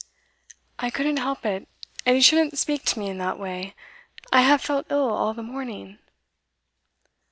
'I couldn't help it; and you shouldn't speak to me in that way. I have felt ill all the morning.